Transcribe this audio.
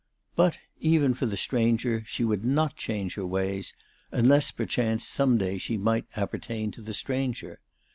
But, even for the stranger, she would not change her ways, unless, perchance, some day she might appertain to the stranger.